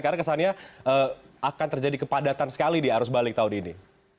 karena kesannya akan terjadi kepadatan sekali di arus balik tahun ini